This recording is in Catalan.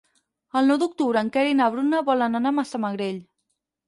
El nou d'octubre en Quer i na Bruna volen anar a Massamagrell.